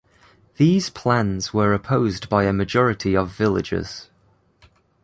These plans were opposed by a majority of villagers.